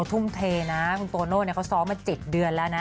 ทุ่มเทนะคุณโตโน่เขาซ้อมมา๗เดือนแล้วนะ